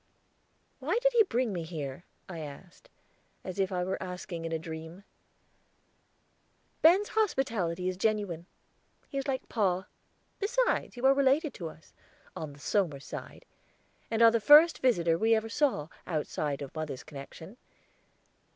"Why did he bring me here?" I asked, as if I were asking in a dream. "Ben's hospitality is genuine. He is like pa. Besides, you are related to us on the Somers side, and are the first visitor we ever saw, outside of mother's connection.